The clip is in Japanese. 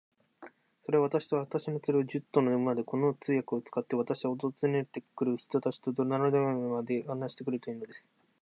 それは、私と私の連れを、十頭の馬で、この通訳を使って、私は訪ねて来る人たちとトラルドラグダカまで案内してくれるというのです。